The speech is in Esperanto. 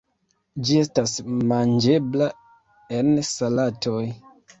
Ĝi estas manĝebla en salatoj.